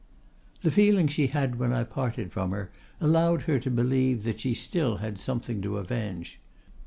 "The feeling she had when I parted from her allowed her to believe that she still had something to avenge.